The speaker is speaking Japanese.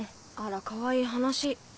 あらかわいい話。